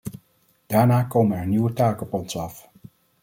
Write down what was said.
Daarna komen er nieuwe taken op ons af.